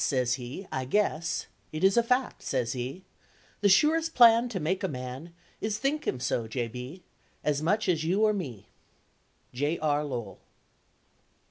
sez he, 'I guess It is a fact,' sez he, 'The surest plan to make a Man Is, Think him so, J. B., Ez much ez you or me!'" J. R. LOWELL.